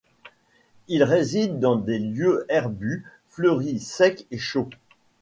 Il réside dans les lieux herbus fleuris secs et chauds.